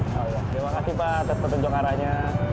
terima kasih pak terpunjuk arahnya